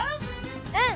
うん！